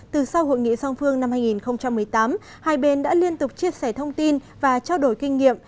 từ sau hội nghị song phương năm hai nghìn một mươi tám hai bên đã liên tục chia sẻ thông tin và trao đổi kinh nghiệm